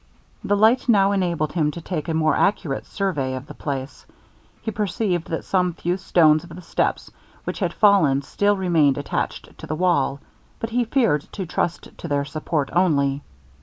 The light now enabled him to take a more accurate survey of the place. He perceived that some few stones of the steps which had fallen still remained attached to the wall, but he feared to trust to their support only.